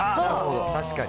確かに。